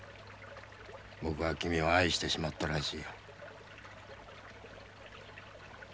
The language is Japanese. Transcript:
僕は君を愛してしまったらしいよ。